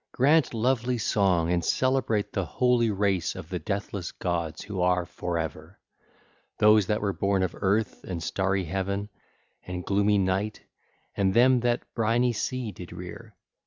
Grant lovely song and celebrate the holy race of the deathless gods who are for ever, those that were born of Earth and starry Heaven and gloomy Night and them that briny Sea did rear.